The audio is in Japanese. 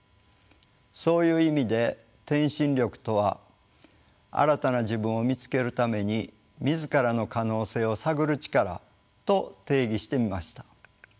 そういう意味で「転身力」とは新たな自分を見つけるために自らの可能性を探る力と定義してみました。